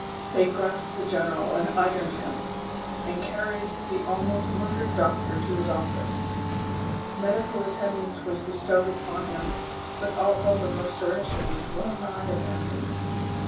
163 They grasped the general and ironed him, and carried the ahuost murdered doctor to his office. Medical attend ance was bestowed upon him, but all hope of restoration ■was well nigh abandoned.